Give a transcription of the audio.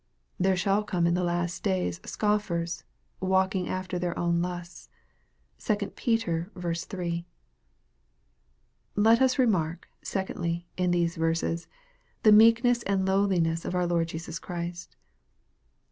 " There shall come in the last days scoffers, walking after their own lusts." (2 Peter iii.) Let us mark, secondly, in these verses, the meekness and lowliness of our Lord Jesus Christ.